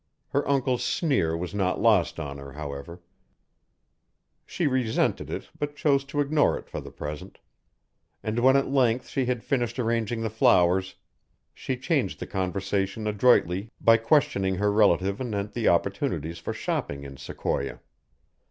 Her uncle's sneer was not lost on her, however; she resented it but chose to ignore it for the present; and when at length she had finished arranging the flowers, she changed the conversation adroitly by questioning her relative anent the opportunities for shopping in Sequoia.